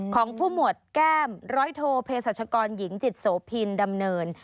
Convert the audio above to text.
ของผู้หมวดแก้มร้อยโทเพศรัชกรหญิงจิตโสพินดำเนิน